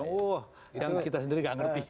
wah yang kita sendiri gak ngerti